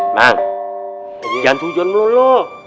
mang jangan sujuan melulu